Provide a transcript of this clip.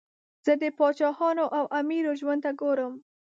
زه د پاچاهانو او امیرو ژوند ته ګورم.